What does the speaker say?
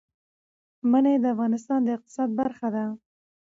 منی د افغانستان د اقتصاد برخه ده.